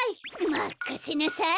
まかせなさい！